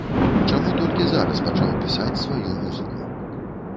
Чаму толькі зараз пачаў пісаць сваю музыку?